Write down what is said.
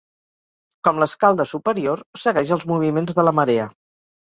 Com l'Escalda superior, segueix els moviments de la marea.